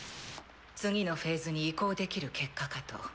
次のフェーズに移行できる結果かと。